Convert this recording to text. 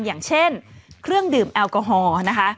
อย่างเช่นเครื่องดื่มแอลกอฮอล์นะคะ